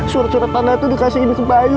surat surat tanda itu dikasihin ke bayu